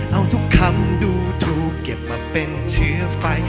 เอาทุกคำดูถูกเก็บมาเป็นเชื้อไฟ